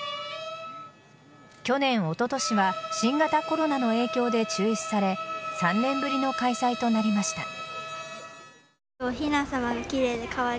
去年、おととしは新型コロナの影響で中止され３年ぶりの開催となりました。